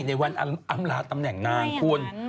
ในวันอำลาตำแหน่งนางคุณ